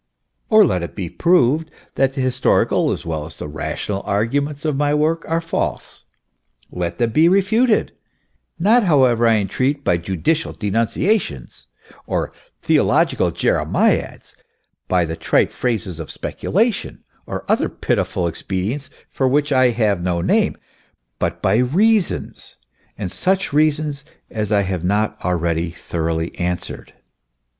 Or let it be proved that the his torical as well as the rational arguments of my work are false; let them be refuted not, however, I entreat, by judicial denunciations, or theological jeremiads, by the trite phrases of speculation, or other pitiful expedients for which I have no PEEFACK ix name, but by reasons, and such reasons as I have not already thoroughly answered.